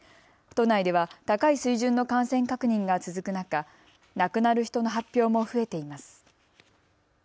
都内では高い水準の感染確認が続く中、亡くなる人の発表も増えています。